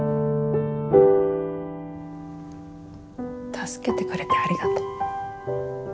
助けてくれてありがとう。